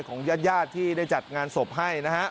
ของญาติยาติที่ได้จัดงานศพให้